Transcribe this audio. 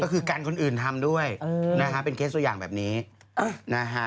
ก็คือกันคนอื่นทำด้วยนะฮะเป็นเคสตัวอย่างแบบนี้นะฮะ